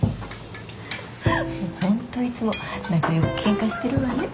フフフ本当いつも仲よくケンカしてるわね。